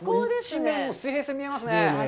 水平線が見えますね。